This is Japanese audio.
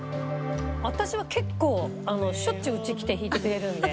私は結構しょっちゅううち来て弾いてくれるんで。